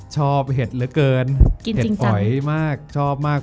เห็ดเหลือเกินเห็ดหอยมากชอบมาก